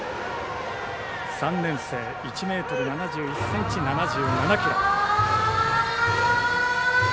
３年生、１ｍ７１ｃｍ７７ｋｇ。